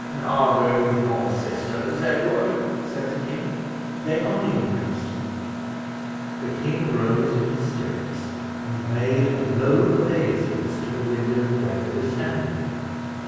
"Are those your sisters, Edward?" said the king. "They are, your majesty." The king rose in his stirrups, and made a low obeisance to the window where they were standing.